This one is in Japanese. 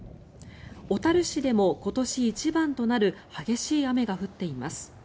小樽市でも今年一番となる激しい雨が降っています。